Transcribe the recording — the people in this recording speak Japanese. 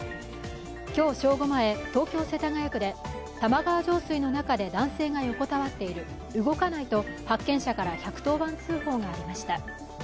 今日正午前、東京・世田谷区で玉川上水の中で男性が横たわっている、動かないと発見者から１１０番通報がありました。